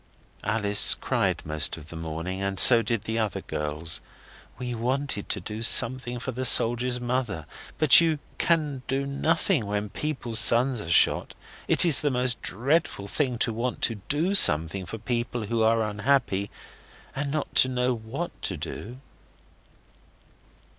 Alice cried most of the morning, and so did the other girls. We wanted to do something for the soldier's mother, but you can do nothing when people's sons are shot. It is the most dreadful thing to want to do something for people who are unhappy, and not to know what to do.